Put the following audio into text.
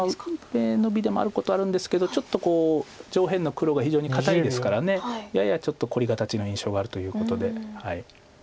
上ノビでもあることはあるんですけどちょっとこう上辺の黒が非常に堅いですからややちょっと凝り形の印象があるということで。